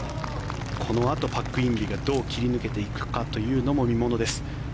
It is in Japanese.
このあとパク・インビがどう切り抜けていくかというのも見ものです。